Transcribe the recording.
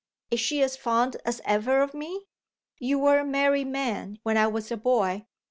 Is she as fond as ever of me? You were a married man when I was a boy.